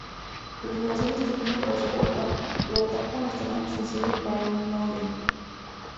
Las relaciones terminan por su culpa: lo ataca una extraña sensación de paranoia.